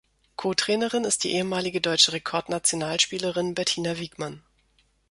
Co-Trainerin ist die ehemalige deutsche Rekordnationalspielerin Bettina Wiegmann.